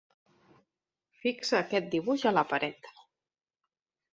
Fixa aquest dibuix a la paret.